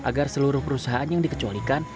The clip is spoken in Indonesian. agar seluruh perusahaan yang dikecualikan